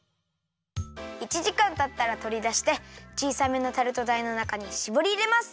１じかんたったらとりだしてちいさめのタルトだいのなかにしぼりいれます。